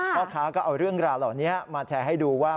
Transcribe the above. พ่อค้าก็เอาเรื่องราวเหล่านี้มาแชร์ให้ดูว่า